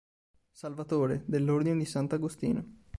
Salvatore, dell'ordine di S. Agostino.